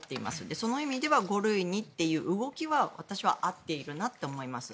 その意味では５類にという動きは私は合っていると思います。